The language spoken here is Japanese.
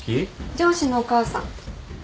上司のお母さん。